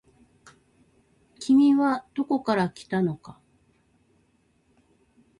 君はどこから来たのか。